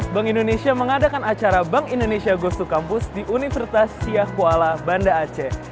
bank indonesia mengadakan acara bank indonesia gosu kampus di universitas syahkuala banda aceh